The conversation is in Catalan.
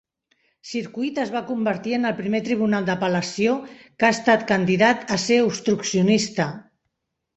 Circuit, es va convertir en el primer tribunal d'apel·lació que ha estat candidat a ser obstruccionista.